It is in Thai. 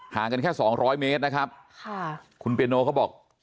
ถึงแค่๒๐๐เมตรนะครับคุณปีาโนเค้าบอก